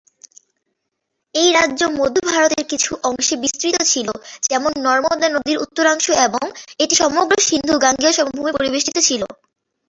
এই রাজ্য মধ্য ভারতের কিছু অংশে বিস্তৃত ছিল, যেমন নর্মদা নদীর উত্তরাংশ, এবং এটি সমগ্র সিন্ধু-গাঙ্গেয় সমভূমি পরিবেষ্টিত ছিল।